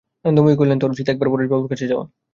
আনন্দময়ী কহিলেন, তোর উচিত একবার পরেশবাবুর কাছে যাওয়া।